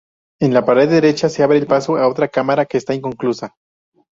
En la pared derecha se abre paso a otra cámara, que está inconclusa.